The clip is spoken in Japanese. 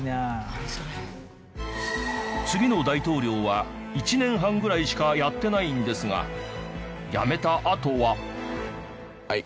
次の大統領は１年半ぐらいしかやってないんですが辞めたあとは。